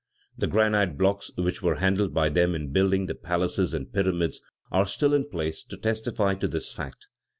The granite blocks which were handled by them in building the palaces and pyramids are still in place to testify to this fact.